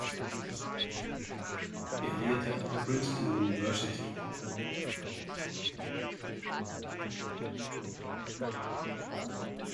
Er lehrte an der Princeton University.